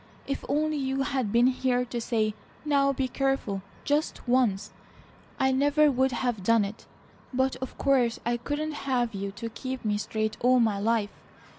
If only you had been here to say, 'Now be careful,' just once, I never would have done it; but of course I couldn't have you to keep me straight all my life.